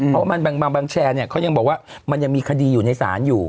เพราะว่าบางแชร์เนี่ยเขายังบอกว่ามันยังมีคดีอยู่ในศาลอยู่